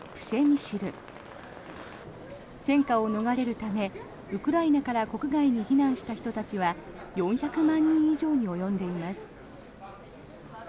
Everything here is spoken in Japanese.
戦火を逃れるためウクライナから国外に避難した人たちは４００万人以上に及んでいます。